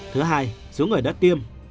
thứ hai số người đất tiêm